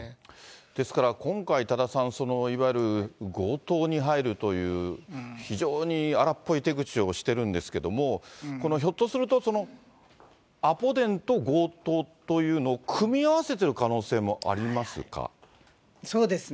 ですから、今回、多田さん、いわゆる強盗に入るという、非常に荒っぽい手口をしてるんですけど、ひょっとすると、アポ電と強盗というのを組み合わせてる可能性もありますか。